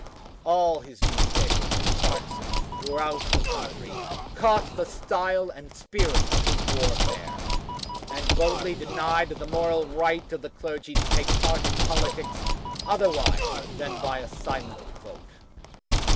All his newspapers and partisans throughout the country caught the style and spirit of his warfare, and boldly denied the moral right of the clergy to take part in politics otherwise than by a silent vote.